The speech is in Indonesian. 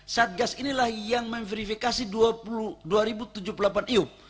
satgas inilah yang memverifikasi dua ribu tujuh puluh delapan iup